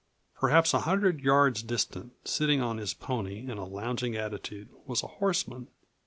Perhaps a hundred yards distant, sitting on his pony in a lounging attitude, was a horseman.